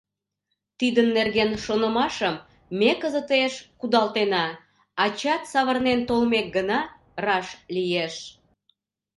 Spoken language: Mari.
Тидын нерген шонымашым ме кызытеш кудалтена: ачат савырнен толмек гына раш лиеш.